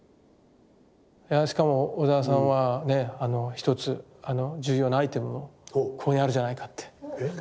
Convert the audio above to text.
しかも小沢さんはね一つ重要なアイテムをここにあるじゃないかってお気付きになった。